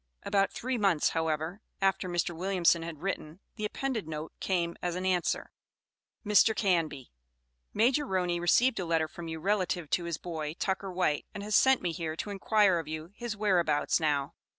About three months, however, after Mr. Williamson had written, the appended note came as an answer: MR. CANBY: Major Roney received a letter from you relative to his boy, Tucker White, and has sent me here to inquire of you his whereabouts now.